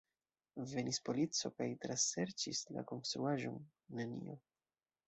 Venis polico kaj traserĉis la konstruaĵon: nenio.